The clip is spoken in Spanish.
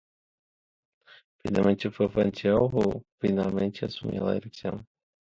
Finalmente, fue Fanjul quien finalmente asumió la dirección.